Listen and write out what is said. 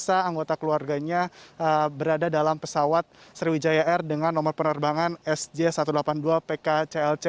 anggota keluarganya berada dalam pesawat sriwijaya air dengan nomor penerbangan sj satu ratus delapan puluh dua pk clc